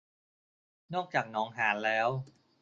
นอกจากหนองหารแล้ว